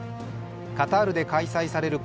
カタールで開催される